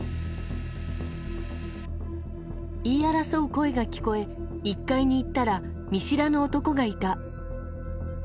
言い争う声が聞こえ、１階に行ったら、見知らぬ男がいた。